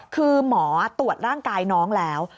คือหมอตรวจร่างกายน้องแล้ว